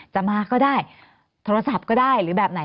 จะมาก็ได้โทรศัพท์ก็ได้